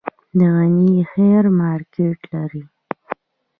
د غني خیل مارکیټ لري